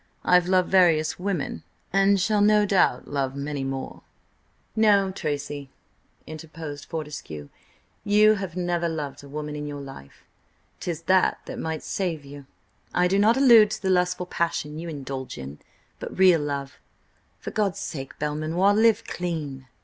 I have loved various women, and shall no doubt love many more—" "No, Tracy," interposed Fortescue, "you have never loved a woman in your life. 'Tis that that might save you. I do not allude to the lustful passion you indulge in, but real love. For God's sake Belmanoir, live clean!"